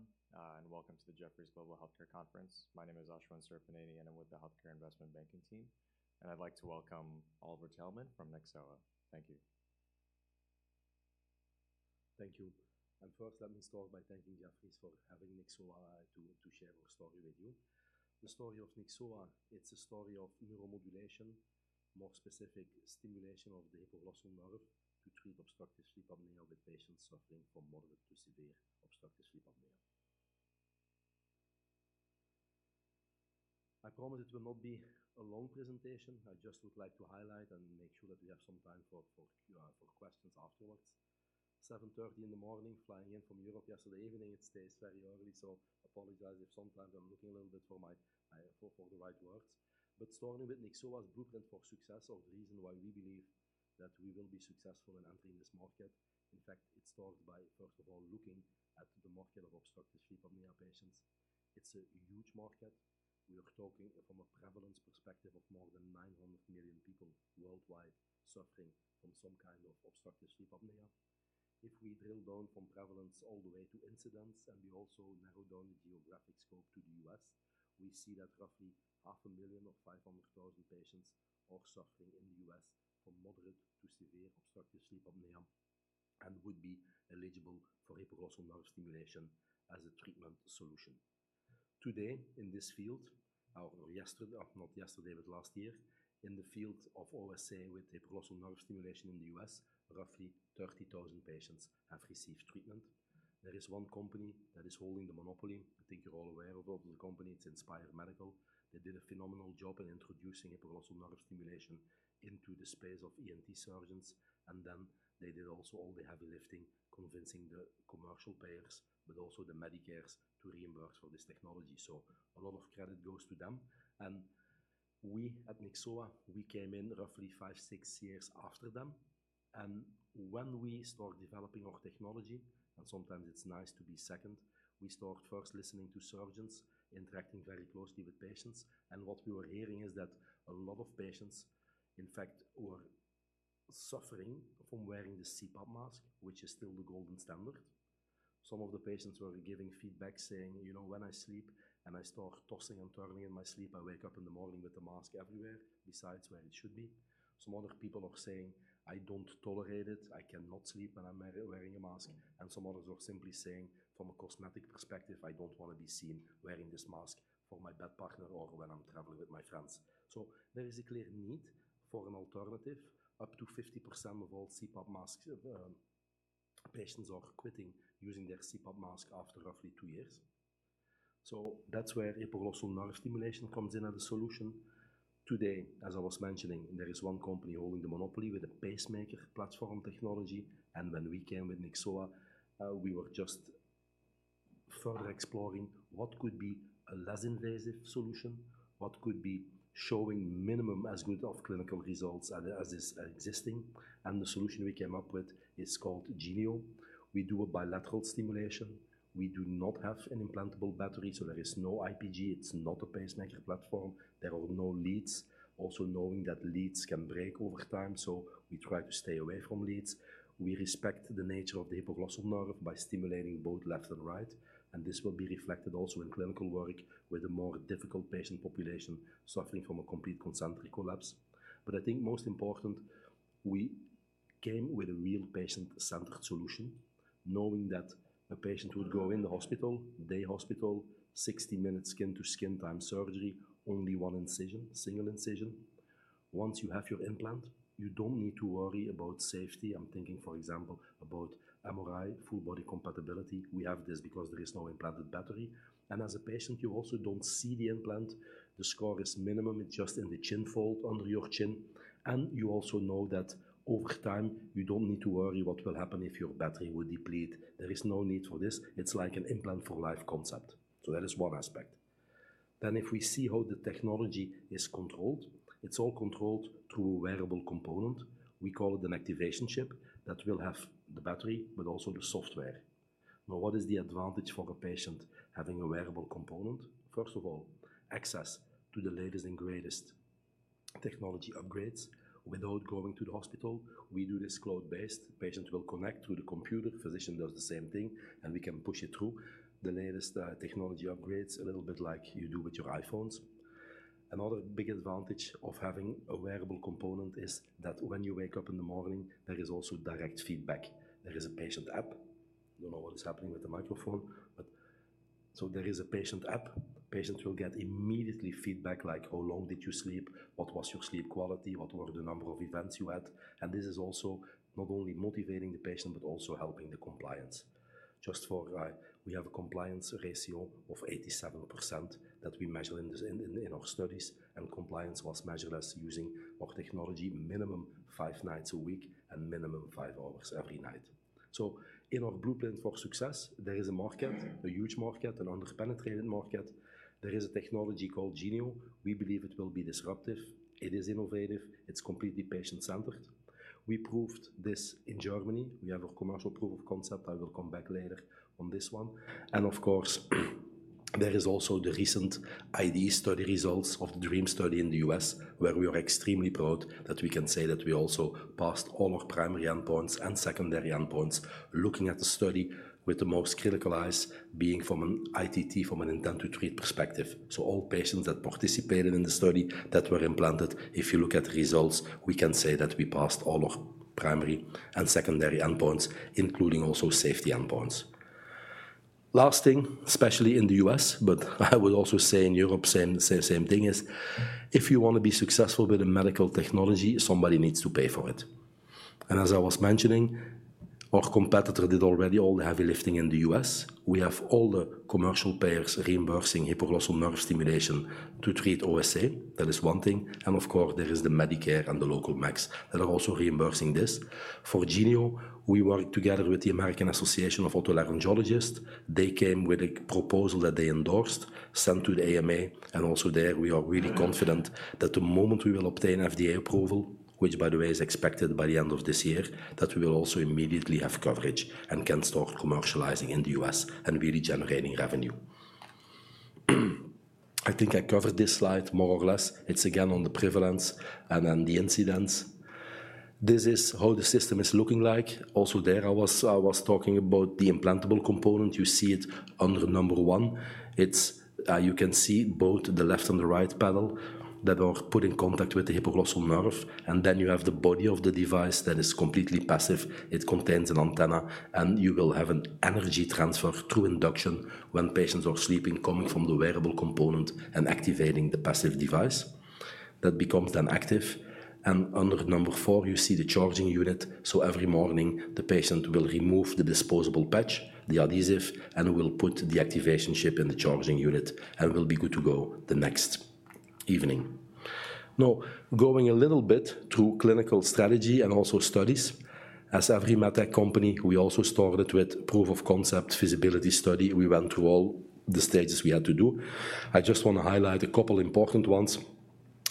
Morning, everyone, and welcome to the Jefferies Global Healthcare Conference. My name is Ashwin Seetharaman, and I'm with the Healthcare Investment Banking team, and I'd like to welcome Olivier Taelman from Nyxoah. Thank you. Thank you. First, let me start by thanking Jefferies for having Nyxoah to share our story with you. The story of Nyxoah, it's a story of neuromodulation, more specific stimulation of the hypoglossal nerve to treat obstructive sleep apnea with patients suffering from moderate to severe obstructive sleep apnea. I promise it will not be a long presentation. I just would like to highlight and make sure that we have some time for Q&A, for questions afterwards. 7:30 in the morning, flying in from Europe yesterday evening, it stays very early, so I apologize if sometimes I'm looking a little bit for the right words. Starting with Nyxoah's blueprint for success or the reason why we believe that we will be successful in entering this market, in fact, it starts by, first of all, looking at the market of obstructive sleep apnea patients. It's a huge market. We are talking from a prevalence perspective of more than 900 million people worldwide suffering from some kind of obstructive sleep apnea. If we drill down from prevalence all the way to incidence, and we also narrow down the geographic scope to the U.S., we see that roughly half a million or 500,000 patients are suffering in the U.S. from moderate to severe obstructive sleep apnea and would be eligible for hypoglossal nerve stimulation as a treatment solution. Today, in this field, or yesterday... Not yesterday, but last year, in the field of OSA with hypoglossal nerve stimulation in the U.S., roughly 30,000 patients have received treatment. There is one company that is holding the monopoly. I think you're all aware of the company. It's Inspire Medical. They did a phenomenal job in introducing hypoglossal nerve stimulation into the space of ENT surgeons, and then they did also all the heavy lifting, convincing the commercial payers, but also the Medicare, to reimburse for this technology. So a lot of credit goes to them. And we at Nyxoah, we came in roughly five, six years after them, and when we start developing our technology, and sometimes it's nice to be second, we start first listening to surgeons interacting very closely with patients. What we were hearing is that a lot of patients, in fact, were suffering from wearing the CPAP mask, which is still the gold standard. Some of the patients were giving feedback saying: "You know, when I sleep and I start tossing and turning in my sleep, I wake up in the morning with the mask everywhere, besides where it should be." Some other people are saying: "I don't tolerate it. I cannot sleep when I'm wearing a mask." And some others are simply saying: "From a cosmetic perspective, I don't wanna be seen wearing this mask for my bed partner or when I'm traveling with my friends." So there is a clear need for an alternative. Up to 50% of all CPAP mask patients are quitting using their CPAP mask after roughly two years. So that's where hypoglossal nerve stimulation comes in as a solution. Today, as I was mentioning, there is one company holding the monopoly with a pacemaker platform technology, and when we came with Nyxoah, we were just further exploring what could be a less invasive solution, what could be showing minimum as good of clinical results as is existing. The solution we came up with is called Genio. We do a bilateral stimulation. We do not have an implantable battery, so there is no IPG. It's not a pacemaker platform. There are no leads. Also, knowing that leads can break over time, so we try to stay away from leads. We respect the nature of the hypoglossal nerve by stimulating both left and right, and this will be reflected also in clinical work with a more difficult patient population suffering from a Complete Concentric Collapse. I think most important, we came with a real patient-centered solution, knowing that a patient would go in the hospital, day hospital, 60-minute skin-to-skin time surgery, only one incision, single incision. Once you have your implant, you don't need to worry about safety. I'm thinking, for example, about MRI, full body compatibility. We have this because there is no implanted battery, and as a patient, you also don't see the implant. The scar is minimum. It's just in the chin fold under your chin. And you also know that over time, you don't need to worry what will happen if your battery will deplete. There is no need for this. It's like an implant for life concept. So that is one aspect. Then, if we see how the technology is controlled, it's all controlled through a wearable component. We call it an activation chip that will have the battery but also the software. Now, what is the advantage for a patient having a wearable component? First of all, access to the latest and greatest technology upgrades without going to the hospital. We do this cloud-based. Patient will connect to the computer, physician does the same thing, and we can push it through. The latest technology upgrades, a little bit like you do with your iPhones. Another big advantage of having a wearable component is that when you wake up in the morning, there is also direct feedback. There is a patient app. I don't know what is happening with the microphone, but... So there is a patient app. Patient will get immediately feedback, like how long did you sleep? What was your sleep quality? What were the number of events you had? This is also not only motivating the patient, but also helping the compliance. Just for, we have a compliance ratio of 87% that we measure in this, in our studies, and compliance was measured as using our technology minimum five nights a week and minimum five hours every night. In our blueprint for success, there is a market, a huge market, an under-penetrated market. There is a technology called Genio. We believe it will be disruptive, it is innovative, it's completely patient-centered. We proved this in Germany. We have a commercial proof of concept. I will come back later on this one. And of course,... There is also the recent IDE study results of the DREAM study in the U.S., where we are extremely proud that we can say that we also passed all our primary endpoints and secondary endpoints, looking at the study with the most critical eyes being from an ITT, from an intent to treat perspective. So all patients that participated in the study that were implanted, if you look at results, we can say that we passed all our primary and secondary endpoints, including also safety endpoints. Last thing, especially in the U.S., but I would also say in Europe, same, same, same thing is, if you want to be successful with a medical technology, somebody needs to pay for it. And as I was mentioning, our competitor did already all the heavy lifting in the U.S. We have all the commercial payers reimbursing hypoglossal nerve stimulation to treat OSA. That is one thing, and of course, there is the Medicare and the local MACs that are also reimbursing this. For Genio, we work together with the American Academy of Otolaryngology-Head and Neck Surgery. They came with a proposal that they endorsed, sent to the AMA, and also there, we are really confident that the moment we will obtain FDA approval, which by the way, is expected by the end of this year, that we will also immediately have coverage and can start commercializing in the U.S. and really generating revenue. I think I covered this slide more or less. It's again, on the prevalence and then the incidence. This is how the system is looking like. Also, there I was, I was talking about the implantable component. You see it under number one. It's... You can see both the left and the right pedal that are put in contact with the hypoglossal nerve, and then you have the body of the device that is completely passive. It contains an antenna, and you will have an energy transfer through induction when patients are sleeping, coming from the wearable component and activating the passive device. That becomes then active, and under number 4, you see the charging unit. So every morning, the patient will remove the disposable patch, the adhesive, and will put the activation chip in the charging unit and will be good to go the next evening. Now, going a little bit through clinical strategy and also studies. As every med tech company, we also started with proof of concept, feasibility study. We went through all the stages we had to do. I just want to highlight a couple important ones.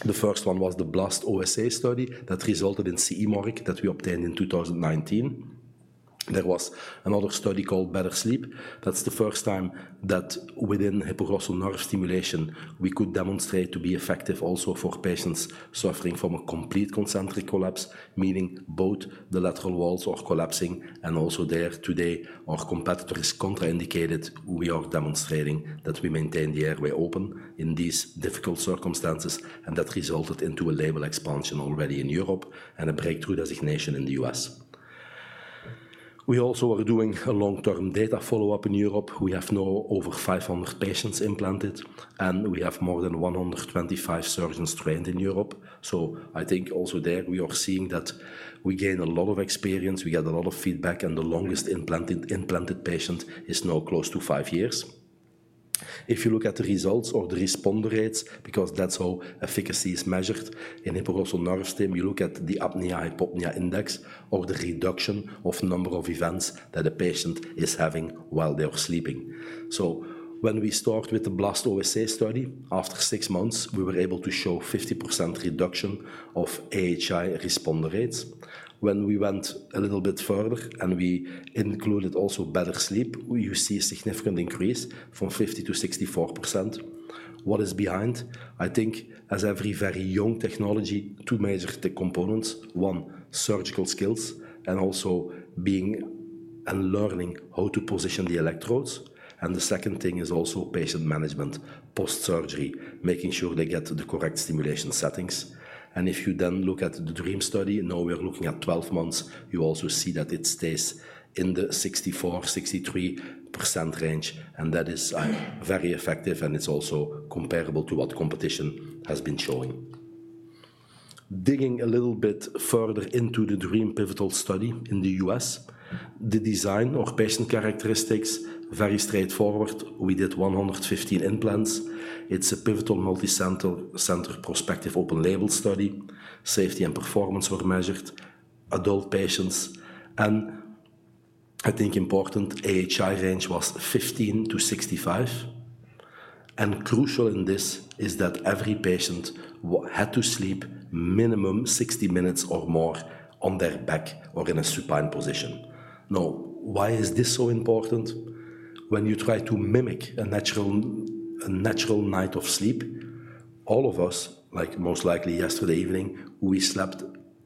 The first one was the BLAST OSA study that resulted in CE mark that we obtained in 2019. There was another study called BETTER SLEEP. That's the first time that within hypoglossal nerve stimulation, we could demonstrate to be effective also for patients suffering from a complete concentric collapse, meaning both the lateral walls are collapsing. And also there, today, our competitor is contraindicated. We are demonstrating that we maintain the airway open in these difficult circumstances, and that resulted into a label expansion already in Europe and a breakthrough designation in the U.S. We also are doing a long-term data follow-up in Europe. We have now over 500 patients implanted, and we have more than 125 surgeons trained in Europe. So I think also there, we are seeing that we gain a lot of experience, we get a lot of feedback, and the longest implanted patient is now close to 5 years. If you look at the results or the responder rates, because that's how efficacy is measured in hypoglossal nerve stim, you look at the apnea-hypopnea index or the reduction of number of events that a patient is having while they are sleeping. So when we started with the BLAST OSA study, after 6 months, we were able to show 50% reduction of AHI responder rates. When we went a little bit further, and we included also BETTER SLEEP, we, you see a significant increase from 50% to 64%. What is behind? I think as every very young technology, two major tech components. 1, surgical skills and also being and learning how to position the electrodes, and the second thing is also patient management, post-surgery, making sure they get the correct stimulation settings. If you then look at the DREAM study, now we are looking at 12 months. You also see that it stays in the 64%, 63% range, and that is very effective, and it's also comparable to what the competition has been showing. Digging a little bit further into the DREAM pivotal study in the U.S., the design or patient characteristics, very straightforward. We did 115 implants. It's a pivotal, multicenter, center prospective open-label study. Safety and performance were measured, adult patients, and I think important, AHI range was 15-65. Crucial in this is that every patient had to sleep minimum 60 minutes or more on their back or in a supine position. Now, why is this so important? When you try to mimic a natural night of sleep, all of us, like most likely yesterday evening, we slept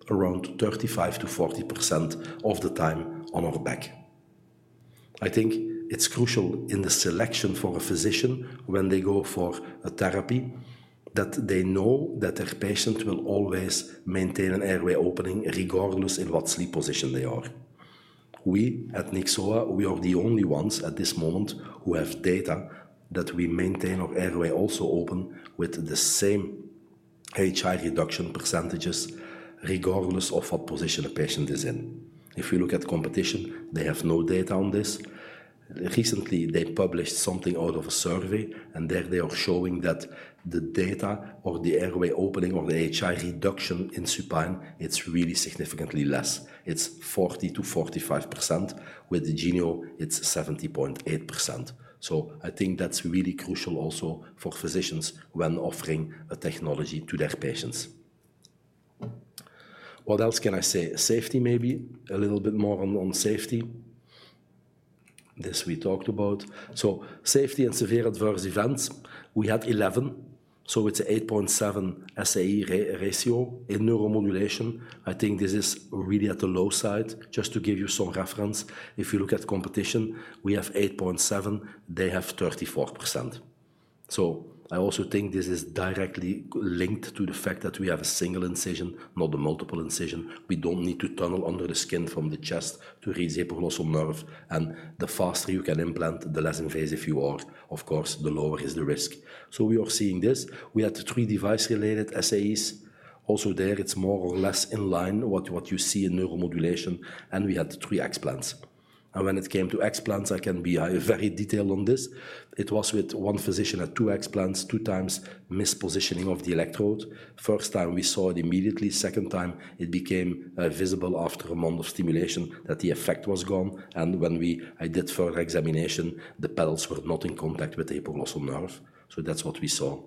around 35%-40% of the time on our back. I think it's crucial in the selection for a physician when they go for a therapy, that they know that their patient will always maintain an airway opening, regardless in what sleep position they are. We, at Nyxoah, we are the only ones at this moment who have data that we maintain our airway also open with the same AHI reduction percentages, regardless of what position a patient is in. If you look at competition, they have no data on this. Recently, they published something out of a survey, and there they are showing that the data or the airway opening or the AHI reduction in supine, it's really significantly less. It's 40%-45%. With the Genio, it's 70.8%. So I think that's really crucial also for physicians when offering a technology to their patients. What else can I say? Safety, maybe. A little bit more on safety. This we talked about. So safety and severe adverse events, we had 11, so it's 8.7 SAE ratio in neuromodulation. I think this is really at the low side. Just to give you some reference, if you look at competition, we have 8.7, they have 34%. So I also think this is directly linked to the fact that we have a single incision, not a multiple incision. We don't need to tunnel under the skin from the chest to reach hypoglossal nerve, and the faster you can implant, the less invasive you are. Of course, the lower is the risk. So we are seeing this. We had the 3 device-related SAEs. Also there, it's more or less in line with what you see in neuromodulation, and we had 3 explants. And when it came to explants, I can be very detailed on this. It was with one physician had 2 explants, 2x mispositioning of the electrode. First time we saw it immediately, second time it became visible after a month of stimulation that the effect was gone. And I did further examination, the pedals were not in contact with the hypoglossal nerve. So that's what we saw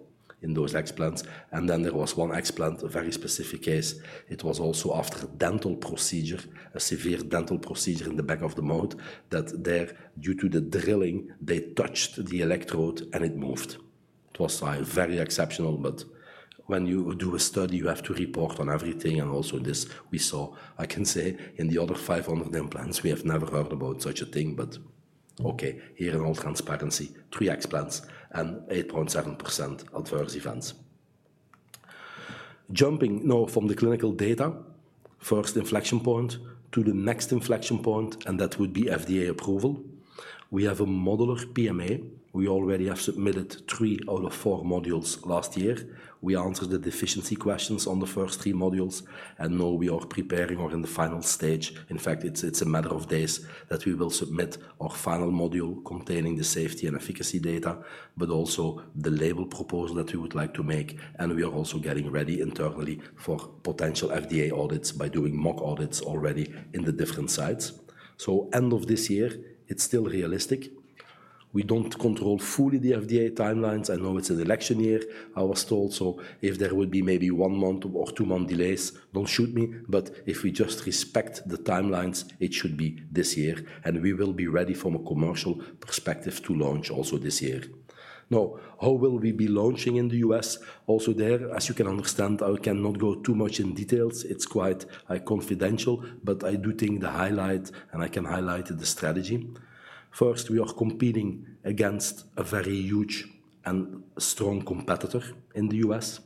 in those explants. And then there was one explant, a very specific case. It was also after a dental procedure, a severe dental procedure in the back of the mouth, that there, due to the drilling, they touched the electrode and it moved. It was, very exceptional, but when you do a study, you have to report on everything and also this we saw. I can say in the other 500 implants, we have never heard about such a thing, but okay, here in all transparency, 3 explants and 8.7% adverse events. Jumping now from the clinical data, first inflection point to the next inflection point, and that would be FDA approval. We have a modular PMA. We already have submitted 3 out of 4 modules last year. We answered the deficiency questions on the first 3 modules, and now we are preparing or in the final stage. In fact, it's a matter of days that we will submit our final module containing the safety and efficacy data, but also the label proposal that we would like to make, and we are also getting ready internally for potential FDA audits by doing mock audits already in the different sites. So, end of this year, it's still realistic. We don't control fully the FDA timelines. I know it's an election year, I was told, so if there would be maybe 1 month or 2-month delays, don't shoot me. But if we just respect the timelines, it should be this year, and we will be ready from a commercial perspective to launch also this year. Now, how will we be launching in the U.S.? Also there, as you can understand, I cannot go too much in details. It's quite confidential, but I do think the highlight, and I can highlight the strategy. First, we are competing against a very huge and strong competitor in the U.S.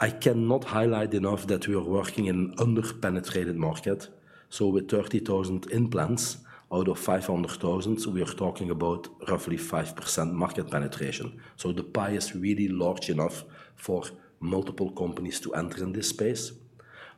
I cannot highlight enough that we are working in an under-penetrated market, so with 30,000 implants out of 500,000, so we are talking about roughly 5% market penetration. So the pie is really large enough for multiple companies to enter in this space.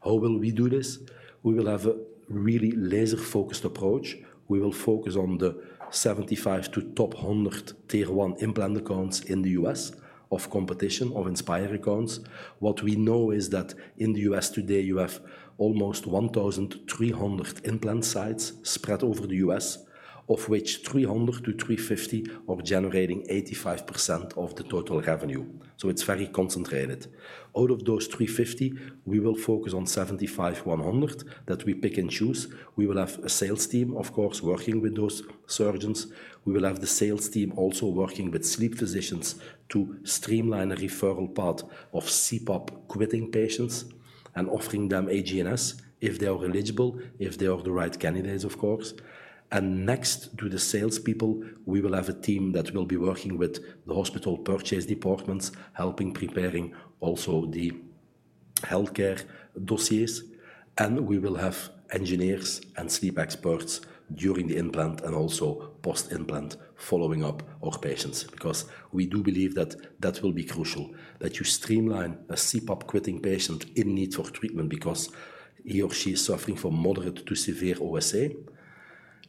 How will we do this? We will have a really laser-focused approach. We will focus on the 75 to top 100 tier one implant accounts in the U.S. of competition or Inspire accounts. What we know is that in the U.S. today, you have almost 1,300 implant sites spread over the U.S., of which 300-350 are generating 85% of the total revenue, so it's very concentrated. Out of those 350, we will focus on 75-100, that we pick and choose. We will have a sales team, of course, working with those surgeons. We will have the sales team also working with sleep physicians to streamline a referral path of CPAP-quitting patients and offering them HGNS if they are eligible, if they are the right candidates, of course. And next to the salespeople, we will have a team that will be working with the hospital purchase departments, helping preparing also the healthcare dossiers. We will have engineers and sleep experts during the implant and also post-implant, following up our patients, because we do believe that that will be crucial, that you streamline a CPAP-quitting patient in need for treatment because he or she is suffering from moderate to severe OSA.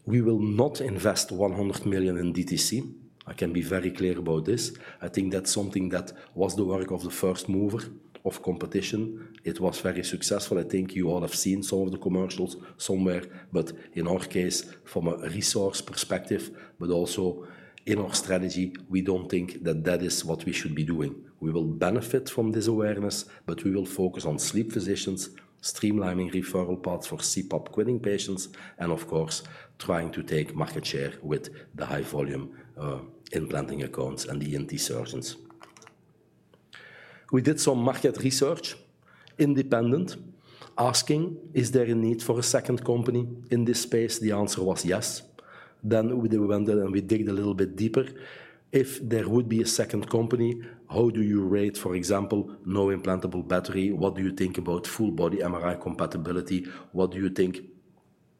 We will not invest 100 million in DTC. I can be very clear about this. I think that's something that was the work of the first mover of competition. It was very successful. I think you all have seen some of the commercials somewhere, but in our case, from a resource perspective, but also in our strategy, we don't think that that is what we should be doing. We will benefit from this awareness, but we will focus on sleep physicians, streamlining referral paths for CPAP-quitting patients, and of course, trying to take market share with the high volume, implanting accounts and the ENT surgeons. We did some market research, independent, asking, "Is there a need for a second company in this space?" The answer was yes. Then we went and we dug a little bit deeper. If there would be a second company, how do you rate, for example, no implantable battery? What do you think about full-body MRI compatibility? What do you think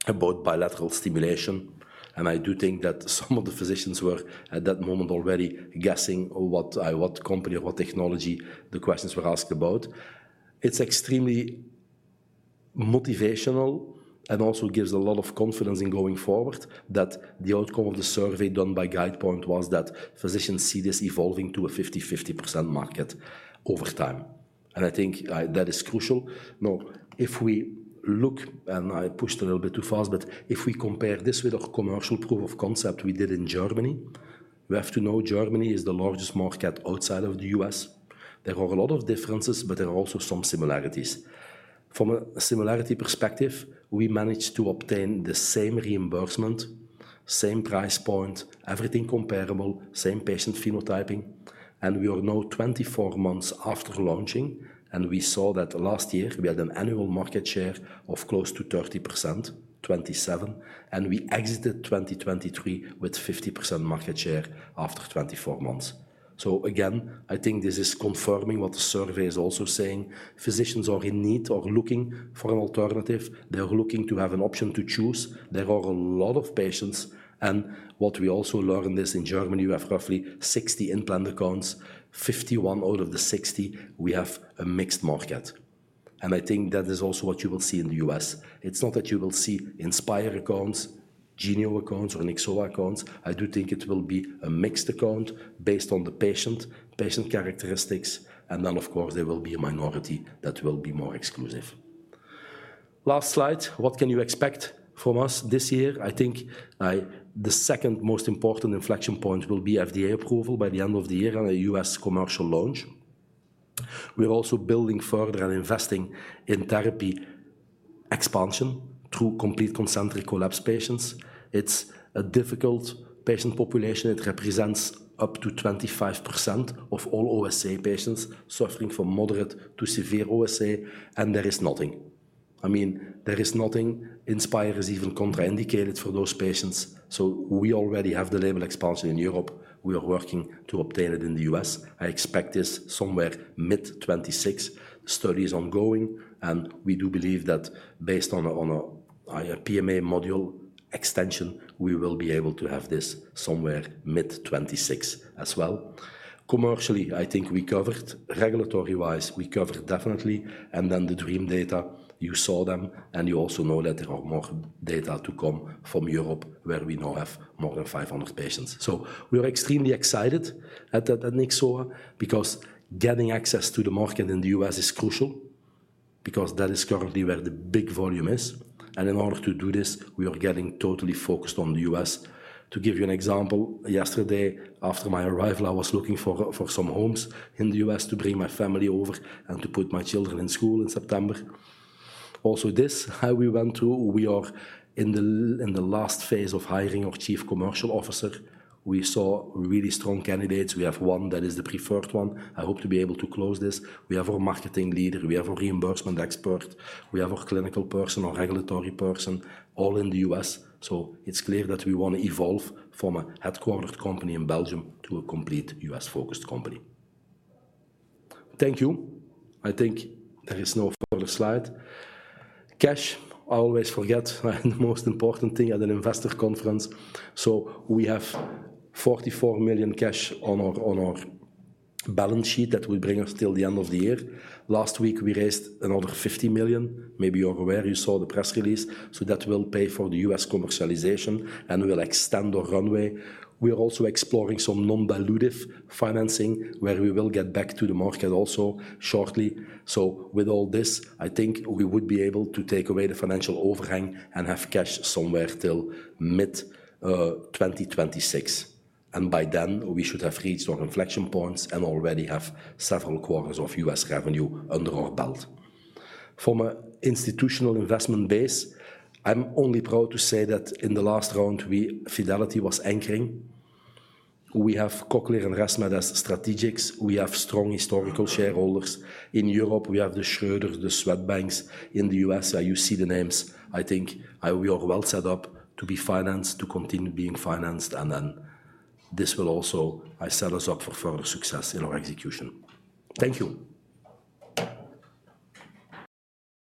about bilateral stimulation? And I do think that some of the physicians were, at that moment, already guessing what, what company or what technology the questions were asked about. It's extremely motivational and also gives a lot of confidence in going forward, that the outcome of the survey done by Guidepoint was that physicians see this evolving to a 50/50% market over time, and I think, that is crucial. Now, if we look, and I pushed a little bit too fast, but if we compare this with our commercial proof of concept we did in Germany, we have to know Germany is the largest market outside of the U.S. There are a lot of differences, but there are also some similarities. From a similarity perspective, we managed to obtain the same reimbursement, same price point, everything comparable, same patient phenotyping, and we are now 24 months after launching, and we saw that last year we had an annual market share of close to 30%, 27%, and we exited 2023 with 50% market share after 24 months. So again, I think this is confirming what the survey is also saying. Physicians are in need or looking for an alternative. They are looking to have an option to choose. There are a lot of patients, and what we also learned is in Germany, we have roughly 60 implant accounts. 51 out of the 60, we have a mixed market, and I think that is also what you will see in the U.S. It's not that you will see Inspire accounts, Genio accounts or Nyxoah accounts. I do think it will be a mixed account based on the patient, patient characteristics, and then, of course, there will be a minority that will be more exclusive. Last slide. What can you expect from us this year? I think, the second most important inflection point will be FDA approval by the end of the year and a U.S. commercial launch. We are also building further and investing in therapy expansion through complete concentric collapse patients. It's a difficult patient population. It represents up to 25% of all OSA patients suffering from moderate to severe OSA, and there is nothing. I mean, there is nothing. Inspire is even contraindicated for those patients. So we already have the label expansion in Europe. We are working to obtain it in the U.S. I expect this somewhere mid-2026. The study is ongoing, and we do believe that based on a PMA module extension, we will be able to have this somewhere mid-2026 as well. Commercially, I think we covered. Regulatory-wise, we covered definitely, and then the DREAM data, you saw them, and you also know that there are more data to come from Europe, where we now have more than 500 patients. So we are extremely excited at Nyxoah because getting access to the market in the US is crucial, because that is currently where the big volume is. And in order to do this, we are getting totally focused on the US. To give you an example, yesterday, after my arrival, I was looking for some homes in the US to bring my family over and to put my children in school in September. Also, how we went through, we are in the last phase of hiring our chief commercial officer. We saw really strong candidates. We have one that is the preferred one. I hope to be able to close this. We have our marketing leader, we have a reimbursement expert, we have our clinical person, our regulatory person, all in the U.S. So it's clear that we want to evolve from a headquartered company in Belgium to a complete US-focused company. Thank you. I think there is no further slide. Cash, I always forget, the most important thing at an investor conference. So we have 44 million cash on our balance sheet. That will bring us till the end of the year. Last week, we raised another 50 million. Maybe you are aware, you saw the press release. So that will pay for the U.S. commercialization and will extend our runway. We are also exploring some non-dilutive financing, where we will get back to the market also shortly. So with all this, I think we would be able to take away the financial overhang and have cash somewhere till mid-2026, and by then we should have reached our inflection points and already have several quarters of U.S. revenue under our belt. From a institutional investment base, I'm only proud to say that in the last round, we... Fidelity was anchoring. We have Cochlear and ResMed as strategics. We have strong historical shareholders. In Europe, we have the Schroders, the Swedbank. In the U.S., you see the names. I think, we are well set up to be financed, to continue being financed, and then this will also, set us up for further success in our execution. Thank you.